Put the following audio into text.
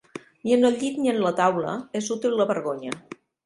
Ni en el llit ni en la taula és útil la vergonya.